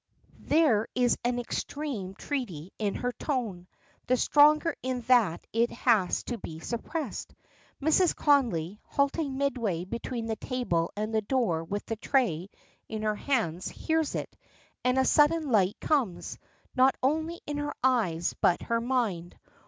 There is an extreme treaty in her tone; the stronger in that it has to be suppressed. Mrs. Connolly, halting midway between the table and the door with the tray in her hands, hears it, and a sudden light comes, not only into her eyes, but her mind.